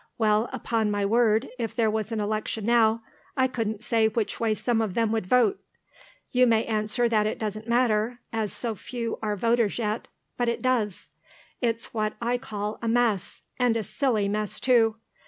Well, upon my word, if there was an election now, I couldn't say which way some of them would vote. You may answer that it doesn't matter, as so few are voters yet; but it does. It's what I call a mess; and a silly mess, too.